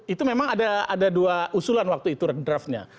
itu memang ada dua usulan waktu itu draftnya